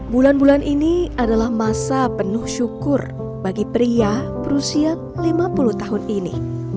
bulan bulan ini adalah masa penuh syukur bagi pria berusia lima puluh tahun ini